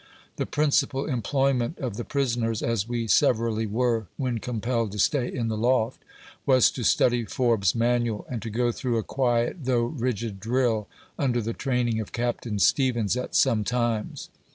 The principal employment of the prisoners, as we severally were when compelled to stay in the loft, was to study Forbes' Manual, and to go through a quiet, though rigid drill, under the training of Capt. Stevens, at some times.